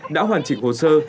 đã hoàn chỉnh hồ sơ